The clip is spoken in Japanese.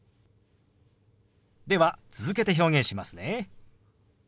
では続けて表現しますね。